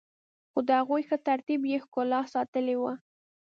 خو د هغوی ښه ترتیب يې ښکلا ساتلي وه.